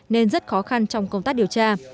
nên rất khó khăn trong công tác điều tra